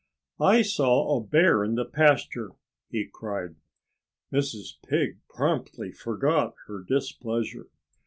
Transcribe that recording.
"I saw a bear in the pasture!" he cried. Mrs. Pig promptly forgot her displeasure.